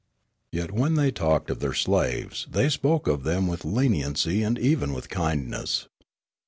Yet when they talked of their slaves, they spoke of them with leniency and even with kindness.